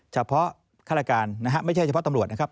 ข้าราชการนะฮะไม่ใช่เฉพาะตำรวจนะครับ